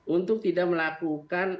untuk tidak melakukan